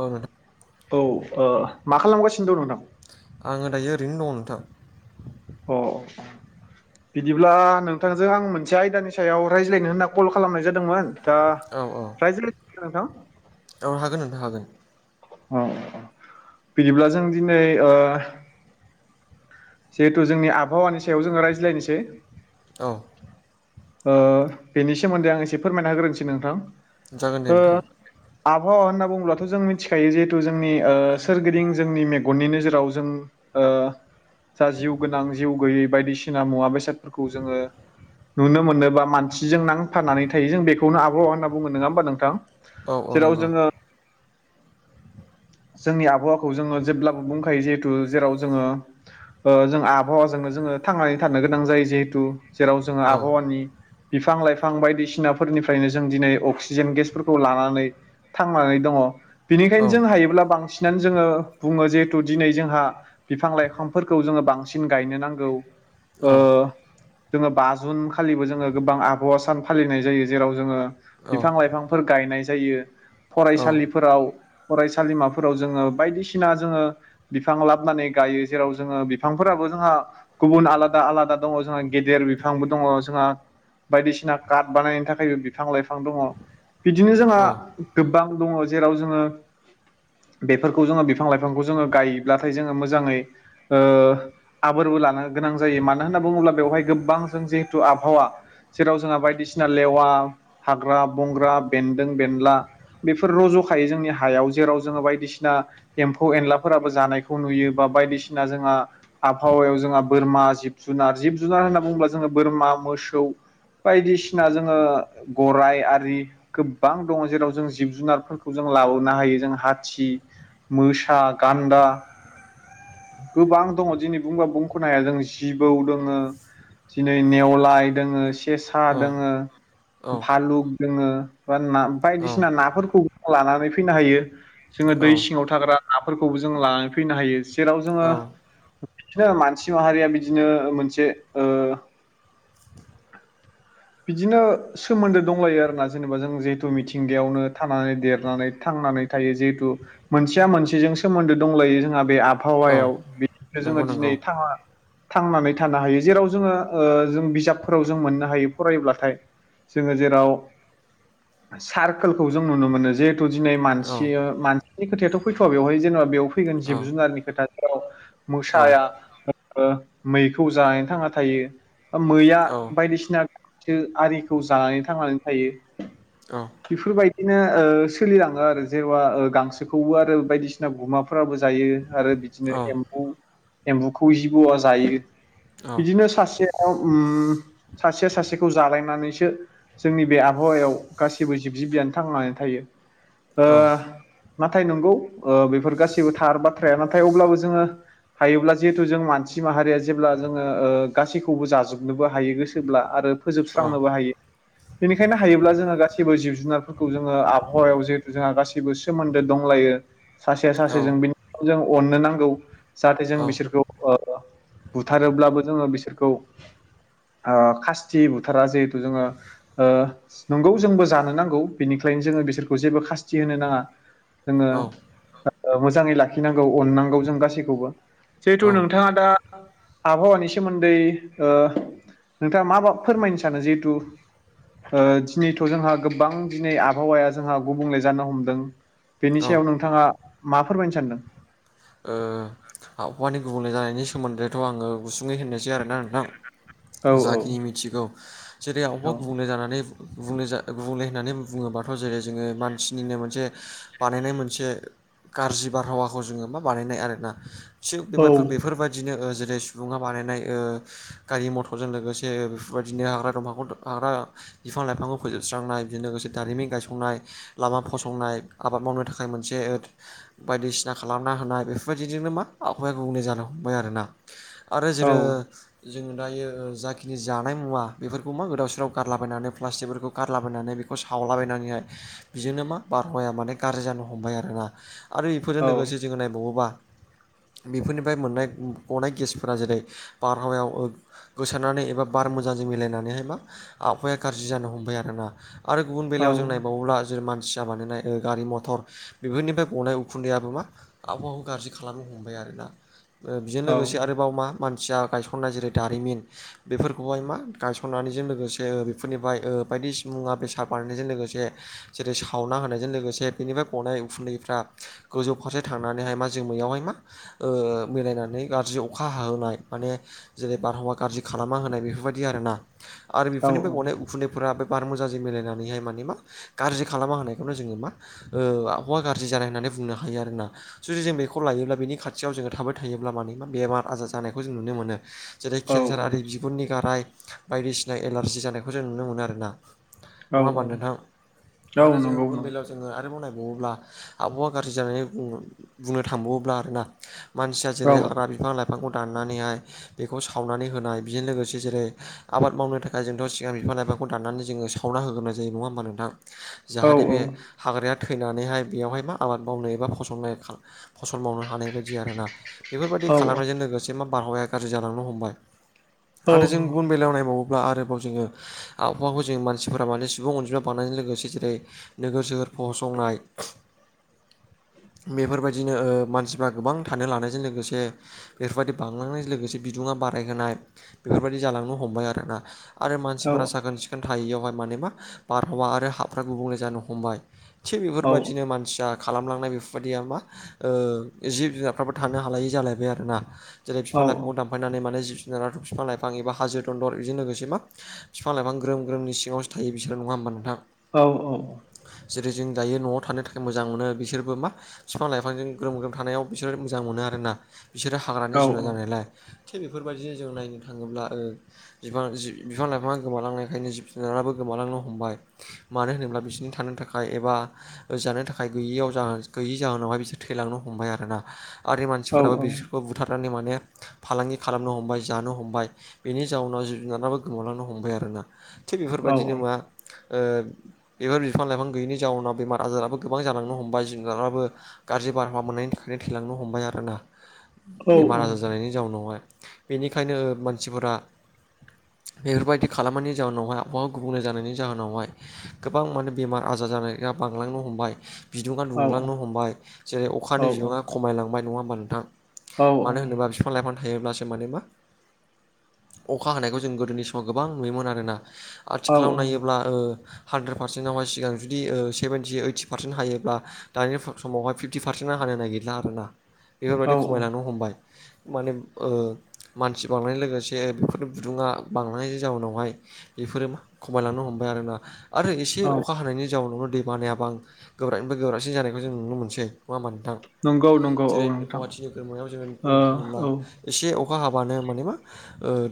औ नोंथां। औ ओ मा खालामगासिनो दं नोंथां? आङो दायो ओरैनो दङ नोंथां। अ बिदिब्ला नोंथांजों आं मोनसे आयदानि सायाव रायज्लायनो होन्ना कल खालामनाय जादोंमोन? दा औ औ [unintelligible] नोंथां औ हागोन नोंथां हागोन। औ औ बिदिब्ला जों दिनै ओ जिहेथु जोंनि आबहावानि सायाव जोङो रायज्लायनिसै। औ ओ बेनि सोमोन्दै आं एसे फोरमायना होग्रोनिसै नोंथां। जागोन दे ओ नोंथां। आबहावा होनना बुङोब्लाथ' जों मिथिखायो जिहेथु जोंनि ओ सोरगिदिं जोंनि मेगननि नोजोराव जों ओ जा जिउ गोनां जिउ गैयै बायदिसिना मुवा बेसादफोरखौ जोङो नुनो मोनोबा मानसिजों नांथानानै थायो जों बेखौनो आबहावा होनना बुङो नङा होमबा नोंथां? औ औ जेराव नंगौ। जोङो जोंनि आबहावाखौ जोङो जेब्लाबो बुंखायो जिहेथु जेराव जोङो ओ जों आबहावाजोंनो जोङो थांनानै थानो गोनां जायो जिहेथु जेराव जोङो औ आबहावानि बिफां-लाइफां बायदिसिनाफोरनिफ्रायनो जों दिनै अक्सिजेन गेसफोरखौ लानानै थांनानै दङ औ बेनिखायनो जों हायोब्ला बांसिनानो जोङो बुङो जिहेथु दिनै जोंहा बिफां-लाइफांफोरखौ जोङो बांसिन गायनो नांगौ औ ओ जोङो बा जुन खालिबो जोङो गोबां आबहावा सान फालिनाय जायो जेराव जोङो औ बिफां-लाइफांफोर गायनाय जायो औ फरायसालिफोराव सालिमाफोराव जोङो बायदिसिना जोङो बिफां लाबनानै गायो जेराव जोङो बिफांफोराबो जोंहा गुबुन आलादा आलादा दङ जोंहा गेदेर बिफांबो दङ जोंहा बायदिसिना कार्ट बानायनो थाखायबो बिफां-लाइफां दङ। बिदिनो जोंहा गोबां दङ जेराव जोङो बेफोरखौ जोङो बिफां-लाइफांखौ जोङो गायोब्लाथाय जोङो मोजाङै ओ आबोरबो लानो गोनां जायो मानो होनना बुङोब्ला बेवहाय गोबां जों जिहेथु आबहावा जेराव जोंहा बायदिसिना लेवा, हाग्रा-बंग्रा, बेन्दों-बेनला बेफोर रज' खायो जोंनि हायाव जेराव जोङो बायदिसिना एम्फौ-एनलाफोराबो जानायखौ नुयो बा बायदिसिना जोंहा आबहावायाव जोंहा बोरमा जिब-जुनार जिब-जुनार होनना बुङोब्ला जोङो बोरमा, मोसौ बायदिसिना जोङो गराय आरि गोबां दङ जेराव जों जिब-जुनारफोरखौ जों लाबोनो हायो जों हा सग मोसा, गान्दा गोबां दङ दिनै बुंबा बुंख'नो हाया जों जिबौ दोङो। दिनै नेवलाय दोङो, सेसा दोङो। भालुक दोङो बा ना बायदिसिना नाफोरखौ लानानै फैनो हायो। जोङो औ दै सिङाव थाग्रा नाफोरखौबो जों लानानै फैनो हायो जेराव जोङो औ बिदिनो मानसि माहारिया बिदिनो मोनसे ओ बिदिनो सोमोन्दो दंलायो आरोना जेनेबा जों जिहेथु मिथिंगायावनो थानानै देरनानै थांनानै थायो जिहेथु मोनसेया मोनसेजों सोमोन्दो दंलायो जोंहा बे औ आबहावायाव बेनिफ्राय नंगौ जोङो नंगौ दिनै थांना थांनानै थानो हायो जेराव जोङो ओ जों बिजाबफोराव जों मोननो हायो। फरायोब्लाथाय जोङो जेराव सारकोलखौ जों नुनो मोनो जिहेथु दिनै औ मानसि मानसिनि खोथायाथ' फैथ'वा बेवहाय जेनेबा बेयाव फैगोन औ जिब-जुनारनि खोथाफोराव औ मोसाया ओ मैखौ जानानै थांना थायो। मैया औ बायदिसिना गांसो आरिखौ जानानै थांनानै थायो। औ बेफोरबायदिनो ओ सोलिलाङो आरो जेन'बा गांसोखौबो आरो बायदिसिना गुमाफो फोराबो जायो आरो औ बिदिनो एम्बु एम्बुखौ जिबौआ जायो। बिदिनो सासेयाव उम सासेया सासे खौ जालायनानैसो जोंनि बे आबहावायाव गासैबो जिब जिबियानो थांनानै थायो। ओ नाथाय नंगौ ओ बेफोर गासैबो थार बाथ्राया नाथाय अब्लाबो जोङो हायोब्ला जिहेथु जों मानसि माहारिया जेब्ला जोङो ओ गासैखौबो जाजोबनोबो हायो गोसोब्ला आरो फोजोबस्रांनोबो हायो। बेनिखायनो हायोब्ला जोङो गासिबो जिब जुनारफोरखौ जोङो आबहावायाव जिहेथु जोंहा गासिबो गासिबो सोमोन्दो दंलायो। सासेया सासेजों औ बिनिखायनो‌ जों अननो नांगौ जाहाथे जों बिसोरखौ बुथारोब्लाबो जोङो बिसोरखौ खासथि बुथारा जिहेथु जोङो ओ नंगौ जोंबो जानो नांगौ बेनिखायनो जोङो बिसोरखौ जेबो खासथि होनो नाङा। जोङो औ ओ ओ मोजाङै लाखिनांगौ अननांगौ जों गासैखौबो जिहेथु नोंथाङा दा आबहावानि सोमोन्दै ओ नोंथाङा मा मा फोरमायनो सानो जिहेथु ओ दिनैथ' जोंहा गोबां दिनै आबहावाया जोंहा गुबुंले जानो हमदों बेनि सायाव नोंथाङा मा फोरमायनो सानदों? ओ आबहावानि गुबुंले जानायनि सोमोन्दैथ' आङो गुसुुंङै होननोसै आरोना नोंथां औ जा औ खिनि मिथिगौ। जेरै औ आबहावा गुबुंले जानानै गुबुंले जा गुबुंले होननानै बुङोबाथ' जेरै जोङो मानसिनिनो मोनसे बानायनाय मोनसे गाज्रि बारहावाखौ जोङो मा बानायनाय आरोना थिग बेफोरबायदिनो जेरै सुबुङा बानायनाय ओ गारि मथरजों लोगोसे बेफोरबायदिनो हाग्रा दंफांखौ हाग्रा बिफां लाइफांखौ फोजोबस्रांनाय बिजों लोगोसे दारिमिन गायसंनाय लामा फसंनाय आबाद मावनो थाखाय मोनसे बायदिसिना खालामना होनाय बेफोरबायदिजोंनो मा आबहावाया गुबुंले जानो हमबाय आरोना आरो औ जेरै जोङो दायो जाखिनि जानाय मुवा बेफोरखौ मा गोदाव सोराव गारलाबायनानै प्लास्टिकफोरखौ गारलाबायनानै बे बेखौ सावलाबायनानैहाय बेजोंनो मा बारहावाया माने गाज्रि जानो हमबाय आरोना। आरो बेफोरजों लोगोसे जोंङो नायबावोबा बेफोरनिफ्राय मोननाय गनाय गेसफोरा जेरै बारहावायाव ओ गोसारनानै एबा बार मोजांजों मिलायनानैहाय मा आबहाया गाज्रि जानो हमबाय आरोना। आरो गुबुन औ बेलायाव जों नायबावोब्ला जेरै मानसिया बानायनाय ओ गारि मथर बेफोरनिफ्राय गनाय उखुन्दैयाबो मा आबहावाखौ गाज्रि खालामनो हमबाय आरो ना बेजों औ लोगोसे आरोबाव मा मानसिया गायसननाय जेरै दारिमिन बेफोरखौहाय मा गायसननानैजों लोगोसे बेफोरनिफ्राय बायदिसि मुवा बेसाद बानायनायजों लोगोसे जेरै सावना होनायजों लोगोसे बेनिफ्राय गनाय उखुन्दैफ्रा गोजौ फारसे थांनानैहाय मा जोमैयावहाय मा ओ मिलायनानै गाज्रि अखा हाहोनाय माने जेरै बारहावा गाज्रि खालामना होनाय बेफोरबायदि ना आरो औ बेफोरनिफ्राय गनाय उखुन्दैफोरा बे बारमुजाजों मिलायनानैहाय माने मा गाज्रि खालामना होनायखौनो जोङो मा ओ आबहावा गाज्रि जानाय होननानै बुंनो हायो आरोना जुदि जों बेखौ लायोब्ला बेनि खाथियाव जोङो थाबाय थायोब्ला माने मा बेमार आजार जानायखौ जों नुनो मोनो जेरै औ केन्सार आरो बिग गुरनि गाराय बायदिसिना एलारजि जानायखौ जों नुनो मोनो आरो ना। नङा औ होमबा नोंथां औ आरो जोङो नंगौ गुबुन नंगौ बेलायाव जोङो आरोबाव नायबावोब्ला आबहावा गाज्रि जानानैङ बुंनो थांबावोब्ला आरोना मानसिया औ जेरै हाग्रा बिफां-लाइफां बिफांखौ दाननानैहाय बेखौ सावनानै होनाय बेजों लोगोसे जेरै आबाद मावनो थाखाय दा जों सिगां बिफां‌ लाइफखौादानानै जोङो साधना होगोन जायो नङा ओमबा नोंथां। ए। जाहाथे बे हाग्राया थैनानैहाय बेयावहाय मा आबाद मावनो एबा फस फसल मावनो हानाय बायदि आरोना बेफोरबायाददि औ खालामनायजों लोगोसे मा बारहावाया गाज्रि जालांनो हमबाय औ आरो जों गुबुन बेलायाव नायबावोब्ला आरोबाव जोङो आबहावाखौ जों मानसिफोरा माने सुबुं अनजिमा बांनायजों लोगोसे जेरै नोगोर सोहोर फसंनाय बेफोरबायदिनो ओ मानसिफ्रा गोबां थानो लानायजों लोगोसे बेफोरबायदि बांलांनाय लोगोसे बिदुुं बारायहोनाय बेफोरबायदि जालांनो हमबाय आरोना आरो औ मानसिफोरा साखोन सिखोन थायैयावहाय माने मा बारहावा आरो हाफ्रा गुबुंले जानो हमबाय। थिग औ बेफोरबदिनो मानसिया खालामलांनाय बेफोरबायदिया मा ओ जिब जुनारफ्राबो थानो हालायि जालायबाय आरो ना जेरै बिफां लाइफां दामफ दानफायनानै माने जिब जुनार, बिफां लाइफां एबा हाजो दन्दल बेजों लोगोसे मा बिफां -लाइफां ग्रोम ग्रोमनि सिङावसो थायो बिसोरो नङा होमबा नोंथां? औ औ। जेरै जों दायो न'आव थानो थाखाय मोजां मोनो बिसोरबो मा बिफां लाइफांजों ग्रोम ग्रोम। थानायाव बिसोरो मोजां मोनो आरोना बिसोरो औ हाग्रानि जुनार औ जानायलाय। थिग बेफोरबायदिनो जों नायनो थाङोब्ला ओ बि जि बिफां लाइफाङा गोमालांनायखायनो जिब जुनाराबो गोमालांनो हमबाय। मानो होनोब्ला बिसोरनि थानो थाखाय एबा जानो थाखाय गैयियाव जाह गैयै जाहोनावहाय बिसोर थैलांनो हम हमबाय आरोना आरो औ मानसिफोराबो औ बि खौ बुथारनानै माने फालांगि खालामनो हमबाय जानो हमबाय। बेनि जाउनााव जुनाराबो गोमालांनो हमबाय आरोना थिग बेफोरबायदिनो मा बेफोर बिफां- लाइफां गैयिनि जाउनाव बेमार आजाराबो गोबां जानांनो हमबबाय जुनगाराबो गाज्रि बार हावा मोननायनि थाखायनो थैलांनो हमबाय आरोना बेमार आजार जानायनि जाउनावहाय। बेनिखायनो मानसिफोरा बेफोरबायदि खालामनायनि जाहोनावहाय आबहावा गुबुंले जानायनि जाहोनावहाय गोबां माने बेमार आजार जानाया बांलांनो हमबाय। बिदुं औ दुंलांनो हमबाय जेरै औ अखानि बिबाङा खमायलांबाय नङा होमबा नोंथां? औ मानो होनोबा बिफां लाइफां थायोब्लासो माने मा अखा हानायखौ जों गोदोनि समाव गोबां नुयोमोन आरोना औ आथिखालाव नायोब्ला हानद्रेद पारसेन्टावहाय सिगां जुदि सेभेनन्टि ओइटि फ पारसेन्ट हायोब्ला दानि समावाय फिटि फ पारसेन्टना हानो नागिरला आरोना औ बेफोरबायदि खमायलांनो हमबाय। माने मानसि बांनाय लोगोसे बेफोरनि गुदुङा बांलनायनि जाउनावहाय। बेफोरो मा खमायलांनो हमबाय आरोना। आरो एसे अखा हानायनि जाउनावनो दै बानायाबा आं गोबोरानिफ्राय गोबोरासिन जानायखौ जों नुनो मोनसै। नङा होमबा नोंथां नंगौ नंगौ औ जेरै नोंथां गुवाहाटिनि बोरमायाव जों बुंनो थाङोब्ला ओ एसे अखा हाबानो माने मा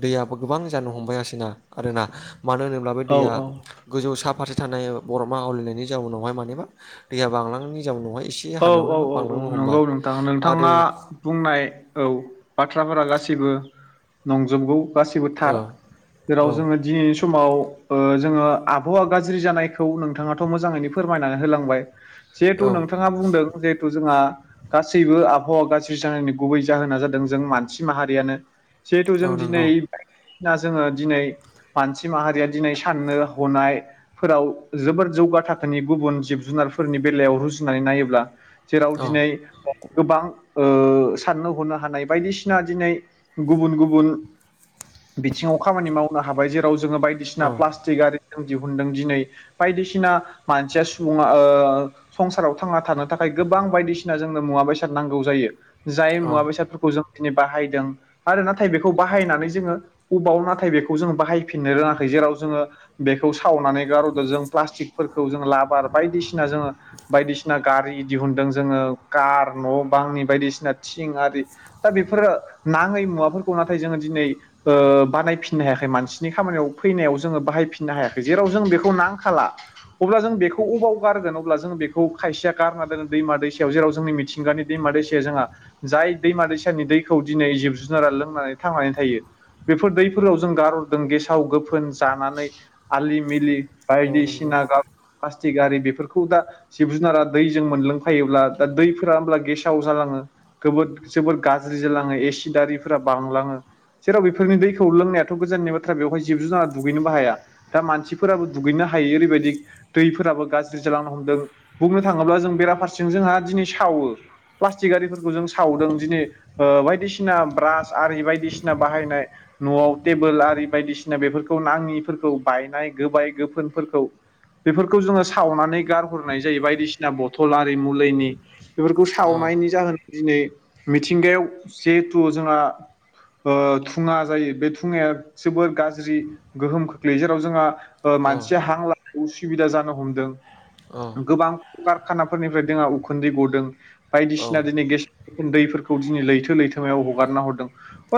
दैआबो गोबां जानो हमबायसैना आरोना मानो होनोब्ला बे औ दैया औ गोजौ सा फारसे थानाय बर'मा आवलिनायनि जाउनावहाय माने मा दैआ बांलांनायनि जाउनावहाय एसे औ औ हानायावनो मा औ औ बांलांनो नंगौ हमबाय नोंथां आरो नोंथाङा बुंनाय औ बाथ्राफोरा गासैबो नंजोबगौ गासिबो औ थार जेराव औ जोङो दिनै सु नि समाव जोङो आबहावा गाज्रि जानायखौ नोंथाङाथ' मोजाङैनो फोरमायनानै होलांबाय। जिहेथु औ नोंथाङा बुंदों जिहेथु जोंहा गासैबो आबहावा गाज्रि जानायनि गुबै जाहोना जादों जों मानसि माहारियानो जिहेथु औ जों दिनै नंगौ [unintelligible] दिनै मानसि माहारिया दिनै साननो हनाय फोराव जोबोर जौगा थाखोनि गुबुन जिब जुनारफोरनि बेलायाव रुजु नानै नायोब्ला जेराव औ दिनै गोबां ओ साननो हनो हानाय बायदिसिना दिनै गुबुन गुबुन बिथिङाव खामानि मावनो हाबाय जेराव जोङो बायदिसिना औ प्लास्ट आरि दिहुनदों दिनै बायदिसिना मानसिया सुबुङा ओ संसाराव थांना थानो थाखाय गोबां बायदिसिना जोंनो मुवा बेसाद नांगौ जायो जाय औ मुवा बेसादफोरखौ जों बाहायदों आरो नाथाय बेखौ बाहायनानै जोङो अबाव नाथाय बेखौ जोंङो बाहायफिननो रोङाखै जेराव जोङो बेखौ सावनानै गारहरदो जों प्लास्टिकफोरखौ जों लाबार बायदिसिना जोङो बायदिसिना गा आरि दिहुनदों जोङो कार न' बांनि बायदिसिना थिं आरि दा बेफोरो नाङै मुवाफोरखौ नाथाय जोङो दिनै ओ बानायफिननो हायाखै मानसिनि खामानियाव फैनायाव जोङो बाहायफिननो हायाखै जेराव जों बेखौ नांखाला। अब्ला जों बेखौ अबाव गारगोन अब्ला जों बे खौ खायसेया गारना दोनो दैमा दैसायाव जेराव जोंनि मिथिंगानि दैमा दैसायाव जोंहा जाय दैमा दैसानि दैखौ दिनै जिब जुनारा लोंनानै थांनानै थायो। बेफोर दैफोराव जों गारहरदों गेसाव गोफोन जानानै आलि मिलि औ नंगौ बायदिसिना प्लास्टिक आरि बेफोरखौ दा जिब जुनारा दैजों मोलोंफायोब्ला दा दैफोरा होमब्ला गेसाव जालाङो। गोबोद जोबोद गाज्रि जालाङो एसिदारिफोरा बांलाङो जेराव बेफोरनि दैखौ लोंनायाथ' गोजाननि बाथ्रा बेवहाय जिब जुनारा दुगैनोबो हाया। दा मानसिफोराबो दुगैनो हायि ओरैबायदि दैफोराबो गाज्रि जालांनो हमदों। बुंनो थाङोब्ला जों बेराफारसेथिं जोंहा दिनै सावो प्लास्टिक आरिफोरखौ जों सावदों दिनै ओ बायदिसिना ब्रास आरि बायदिसिना बाहायनाय। न'आव टेबोल आरि बायदिसिना बेफोरखौ नाङिफोरखौ बायनाय गोबाय गोफोनफोरखौ बेफोरखौ जोङो सावनानै गारहर नाय जायो बायदिसिना बथल आरि मुलिनि बेफोरखौ औ सावनायनि जाहोन दिनै मिथिंगायाव जिहेथु जोंहा ओ धुंङा जायो बे धुङाया जोबोर गाज्रि गोहोम खोख्लैयो जेराव जोंहा ओ औ मानसिया हां लानायाव उसुबिदा जानो हमदों। औ। गोबां कारखानाफोरनिफ्राय जोंहा उखुन्दै गदों। बायदिसिना दिनै गेस दैफोरखौ दिनै लैथो लैथोमायाव हगारना हरदों।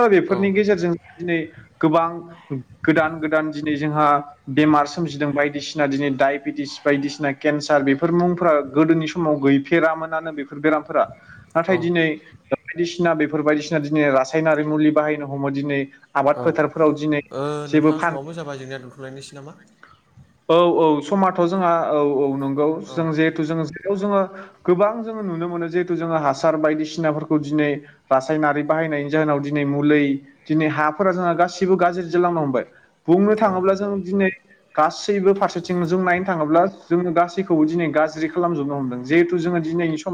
अ औ बेफोरनि गेजेरजों दिनै गोबां गोदान गोदान दिनै जोंहा बेमार सोमजिदों बायदिसिना दिनै डाइबेटिस बायदिसिना केन्सार बेफोर मुंफोरा गोदोनि समाव गैफेरामोनानो बेफोर बेरामफोरा। नाथाय औ दिनै बायदिसिना बेफोर बायदिसिना दिनै रासायनारि मुलि बाहायनो हमो दिनै आबाद फोथारफोराव दिनै जेबो नोंथां फान समाबो जाबाय जोंनिया दोनथ'लायनोसै नामा? औ औ समाथ' जोंहा औ औ नंगौ औ जों जिहेथु जोङो थ' जोंङो गोबां जोङो नुनो मोनो जिहेथु जोङो हासार बायदिसिनाफोरखौ दिनै रासायनारि बाहायनायनि जाहोनाव दिनै मुलै दिनै हाफोरा जोंहा गासिबो गाज्रि जालांनो हमबाय। बुंनो औ थाङोब्ला जों दिनै गासैबो फारसेथिं जों नायनो थाङोब्ला जोङो दा गासैखौबो दिनै गाज्रि खालामजोबनो हमदों जिहेथु जोङो दिनैनि सम